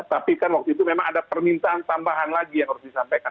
tapi kan waktu itu memang ada permintaan tambahan lagi yang harus disampaikan